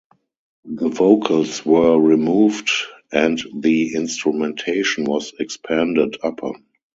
The vocals were removed and the instrumentation was expanded upon.